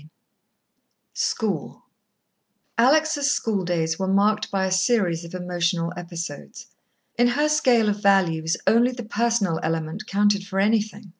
II School Alex' schooldays were marked by a series of emotional episodes. In her scale of values, only the personal element counted for anything.